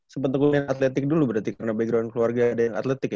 sempet aku yang atletik dulu berarti karena background keluarga ada yang atletik ya